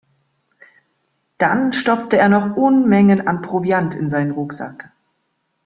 Dann stopfte er noch Unmengen an Proviant in seinen Rucksack.